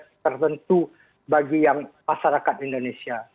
sebuah standing leverage tertentu bagi yang masyarakat indonesia